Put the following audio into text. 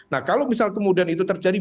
nah kalau misal kemudian itu terjadi